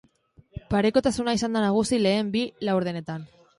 Parekotasuna izan da nagusi lehen bi laurdenetan.